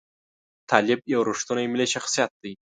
طالب یو ریښتونی ملي شخصیت دی.